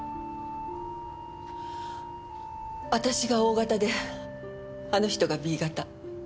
私がＯ型であの人がＢ型。